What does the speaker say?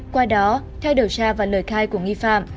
qua đó theo điều tra và lời khai của nghi phạm